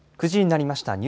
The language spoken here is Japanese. ９時になりました。